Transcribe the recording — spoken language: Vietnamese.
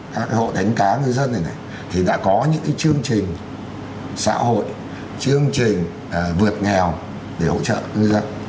các hộ đánh cá ngư dân này này thì đã có những chương trình xã hội chương trình vượt nghèo để hỗ trợ ngư dân